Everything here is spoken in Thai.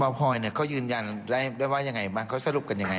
อะนี่ก็เป็นบางชั่วบางตอนจริง